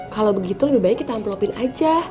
kalau begitu lebih baik kita amplopin aja